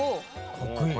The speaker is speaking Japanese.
かっこいい。